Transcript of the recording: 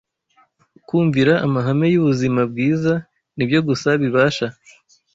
Kumvira amahame y’ubuzima bwiza ni byo gusa bibasha